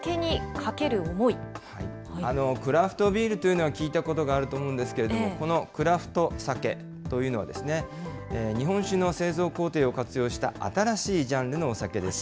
クラフトビールというのは聞いたことがあると思うんですけれども、このクラフトサケというのは、日本酒の製造工程を活用した新しいジャンルのお酒です。